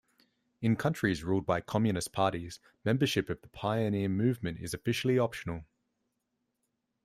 In countries ruled by Communist Parties, membership of the pioneer movement is officially optional.